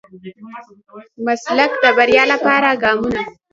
د مسلک د بريا لپاره ګامونه.